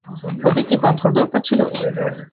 ওদের কি পাথর দরকার ছিল?